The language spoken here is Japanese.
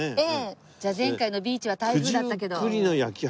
前回のビーチは台風だったけど。